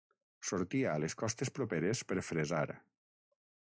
Sortia a les costes properes per fresar.